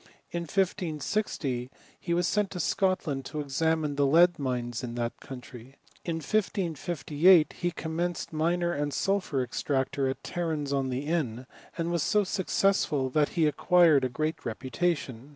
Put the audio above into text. In 1560 he was sent to Scot land to examine the lead mines in that country. la 1558 he commenced miner and sulphur extractor at Tarenz on the Inn, and was so successful, that he' acquired a great reputation.